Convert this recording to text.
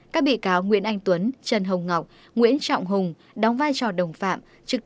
các bị cáo nguyễn anh tuấn trần hồng ngọc nguyễn trọng hùng đóng vai trò đồng phạm trực